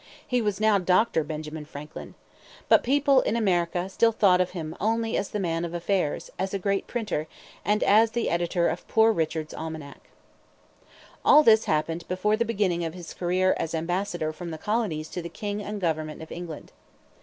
He was now Doctor Benjamin Franklin. But in America people still thought of him only as a man of affairs, as a great printer, and as the editor of Poor Richard's Almanac. All this happened before the beginning of his career as ambassador from the colonies to the king and government of England.